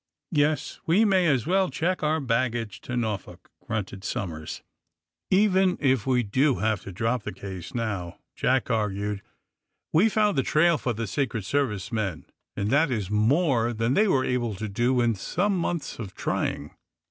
^^Yes; we may as well check our baggage to Norfolk," grunted Somers. ^^Even if we do have to drop the case now," Jack argued, ^^we Ve found the trail for the Se cret Service men, and that is more than they were able to do in some months of trying."